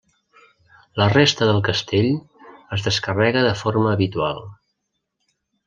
La resta del castell es descarrega de forma habitual.